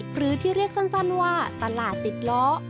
หรือที่เรียกสั้นว่าตลาดติดล้อ